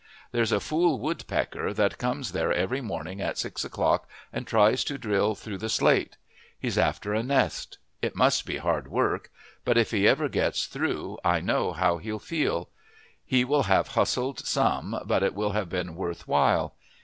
There's a fool woodpecker that comes there every morning at six o'clock and tries to drill through the slate. He's after a nest. It must be hard work. But if he ever gets through I know how he'll feel. He will have hustled some, but it will have been worth while.